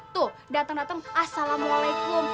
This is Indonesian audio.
tuh dateng dateng assalamualaikum